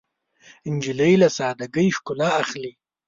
نجلۍ له سادګۍ ښکلا اخلي.